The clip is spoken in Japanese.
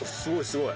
すごい！